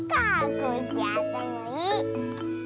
コッシーあったまいい！